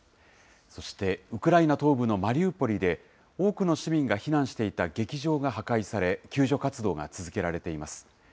そしてウクライナ東部のマリウポリで、多くの市民が避難していた劇場が破壊され、救助活動が続けられています。